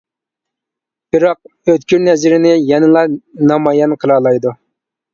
بىراق ئۆتكۈر نەزىرىنى يەنىلا نامايان قىلالايدۇ.